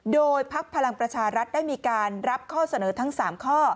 โดยพักพลังประชารัฐได้มีการรับข้อเสนอทั้ง๓ข้อ